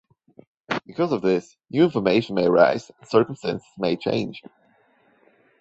Because of this, new information may arise and circumstances may change.